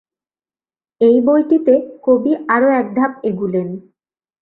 এই বইটিতে কবি আরও এক ধাপ এগুলেন।